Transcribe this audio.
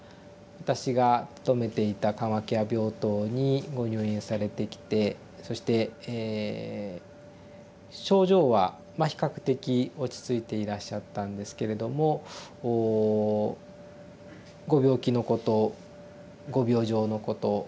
私が勤めていた緩和ケア病棟にご入院されてきてそして症状はまあ比較的落ち着いていらっしゃったんですけれどもご病気のことご病状のことをしっかりと頭で理解して理解されていて。